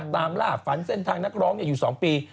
ตามล่าฝันเส้นทางนักร้องอยู่๒ปี